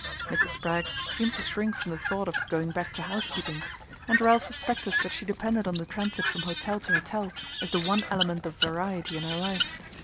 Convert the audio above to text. Mrs. Spragg seemed to shrink from the thought of "going back to house keeping," and Ralph suspected that she depended on the transit from hotel to hotel as the one element of variety in her life.